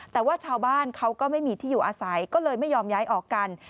แต่ว่าชาวบ้านเขาก็ไม่มีที่อยู่อาศัยก็เลยไม่ยอมย้ายออกกัน